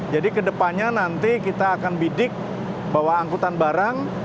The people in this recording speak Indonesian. jadi kedepannya nanti kita akan bidik bahwa angkutan barang